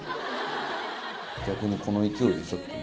逆にこの勢いでちょっとね